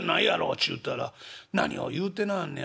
ちゅうたら『何を言うてなはんねや。